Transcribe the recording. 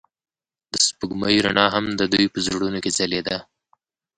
د سپوږمۍ رڼا هم د دوی په زړونو کې ځلېده.